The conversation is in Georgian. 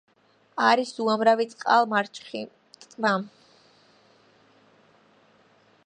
არის უამრავი წყალმარჩხი ტბა.